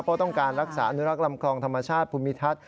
เพราะต้องการรักษาอนุรักษ์ลำคลองธรรมชาติภูมิทัศน